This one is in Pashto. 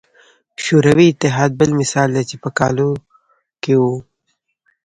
شوروي اتحاد بل مثال دی چې په کال او کې وو.